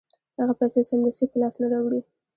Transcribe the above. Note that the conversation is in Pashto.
هغه پیسې سمدستي په لاس نه راوړي